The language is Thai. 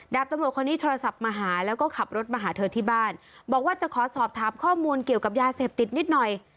ดาบตำรวจคนนี้โทรศัพท์มาหาแล้วก็ขับรถมาหาเธอที่บ้านบอกว่าจะขอสอบถามข้อมูลเกี่ยวกับยาเสพติดนิดหน่อย